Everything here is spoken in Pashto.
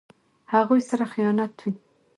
هغوی سره خیانت وي.